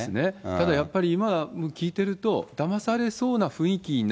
ただやっぱり、今、聞いてると、だまされそうななる。